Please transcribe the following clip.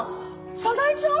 早苗ちゃん！？